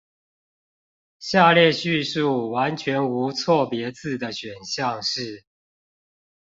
下列敘述完全無錯別字的選項是